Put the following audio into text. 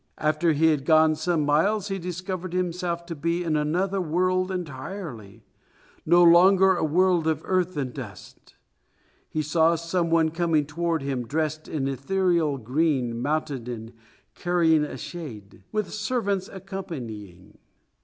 After he had gone some miles he discovered himself to be in another world entirely, no longer a world of earth and dust. He saw some one coming toward him dressed in ethereal green, mounted and carrying a shade, with servants accompanying.